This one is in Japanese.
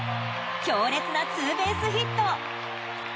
強烈なツーベースヒット。